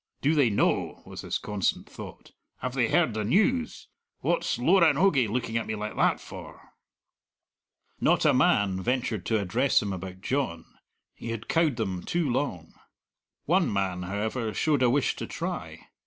"Do they know?" was his constant thought; "have they heard the news? What's Loranogie looking at me like that for?" Not a man ventured to address him about John he had cowed them too long. One man, however, showed a wish to try.